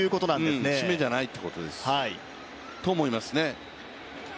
締めじゃないということだと思いますね。